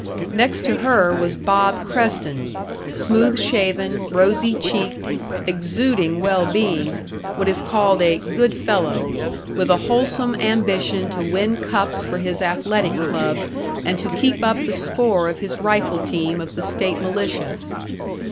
Next to her was Bob Creston, smooth shaven, rosy cheeked, exuding well being what is called a "good fellow," with a wholesome ambition to win cups for his athletic club, and to keep up the score of his rifle team of the state militia.